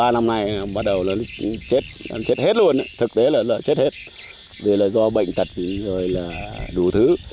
ba năm này bắt đầu chết hết luôn thực tế là chết hết vì là do bệnh tật rồi là đủ thứ